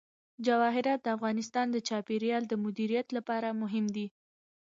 جواهرات د افغانستان د چاپیریال د مدیریت لپاره مهم دي.